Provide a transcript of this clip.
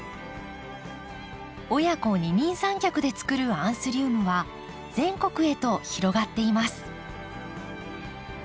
親子二人三脚でつくるアンスリウムは全国へと広がっています。